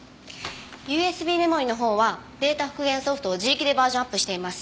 ＵＳＢメモリのほうはデータ復元ソフトを自力でバージョンアップしています。